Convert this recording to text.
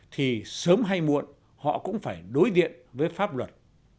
thì sớm hay muộn họ cũng phải đối diện với pháp luật